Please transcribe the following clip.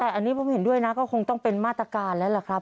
แต่อันนี้ผมเห็นด้วยนะก็คงต้องเป็นมาตรการแล้วล่ะครับ